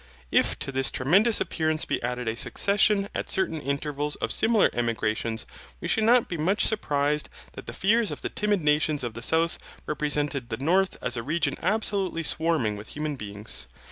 If to this tremendous appearance be added a succession at certain intervals of similar emigrations, we shall not be much surprised that the fears of the timid nations of the South represented the North as a region absolutely swarming with human beings.